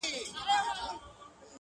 تنها ښه نه یې زه به دي یارسم -